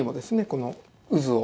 この渦を。